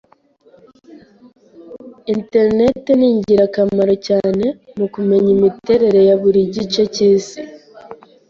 Interineti ni ingirakamaro cyane mu kumenya imiterere ya buri gice cyisi